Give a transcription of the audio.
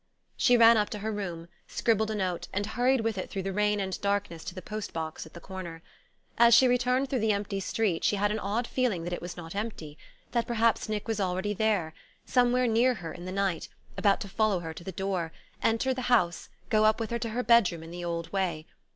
She ran up to her room, scribbled a note, and hurried with it through the rain and darkness to the post box at the corner. As she returned through the empty street she had an odd feeling that it was not empty that perhaps Nick was already there, somewhere near her in the night, about to follow her to the door, enter the house, go up with her to her bedroom in the old way.